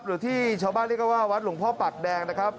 หรือที่ชาวบ้านเรียกกันว่าวัดหลวงพ่อปากแดงนะครับ